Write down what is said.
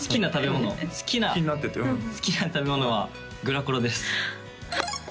気になってて好きな食べ物はグラコロです